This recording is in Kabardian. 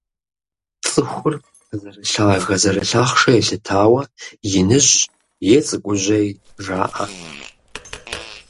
ЦӀыхур зэрылъагэ-зэрылъахъшэ елъытауэ «иныжь» е «цӀыкӀужьей» жаӀэ.